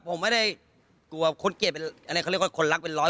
ผมไม่ได้กลัวคนเกลียดเป็นอะไรเขาเรียกว่าคนรักเป็นร้อย